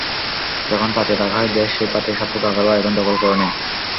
যখন পাত্রে রাখা হয় গ্যাস সে পাত্রের সবটুকু আকার ও আয়তন দখল করে নেয়।